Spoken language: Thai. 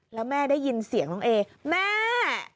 แล้วแม่ได้ยินเสียงน้องเอแม่